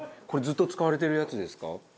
これずっと使われてるやつですか？